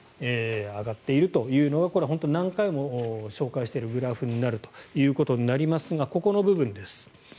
上がっているというのがこれは何回も紹介しているグラフになりますがここの部分です。